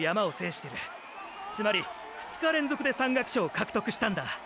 つまり２日連続で山岳賞を獲得したんだ。